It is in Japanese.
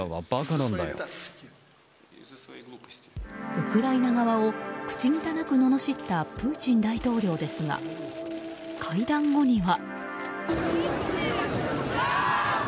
ウクライナ側を口汚くののしったプーチン大統領ですが会談後には。